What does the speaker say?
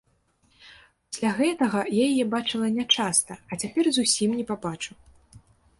Пасля гэтага я яе бачыла нячаста, а цяпер зусім не пабачу.